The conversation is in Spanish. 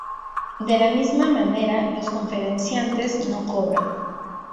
De la misma manera, los conferenciantes no cobran.